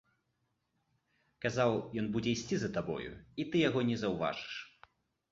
Казаў, ён будзе ісці за табою, і ты яго не заўважыш.